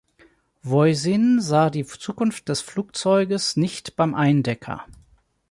Voisin sah die Zukunft des Flugzeuges nicht beim Eindecker.